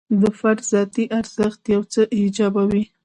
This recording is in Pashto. د فرد ذاتي ارزښت یو څه ایجابوي.